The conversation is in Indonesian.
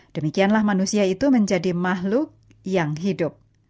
demikianlah manusia itu menjadi makhluk yang hidup